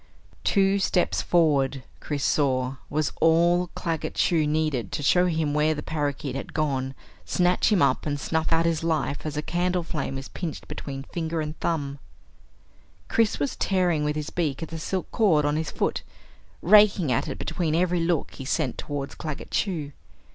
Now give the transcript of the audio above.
Two steps forward, Chris saw, was all Claggett Chew needed to show him where the parakeet had gone, snatch him up, and snuff out his life as a candleflame is pinched between finger and thumb. Chris was tearing with his beak at the silk cord on his foot, raking at it between every look he sent towards Claggett Chew.